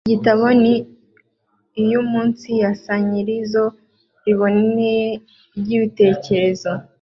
Iki gitabo ni iumunsisanyirizo riboneye ry’ibitekerez